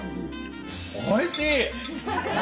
おいしい！